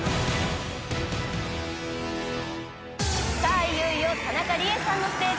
いよいよ田中理恵さんのステージ。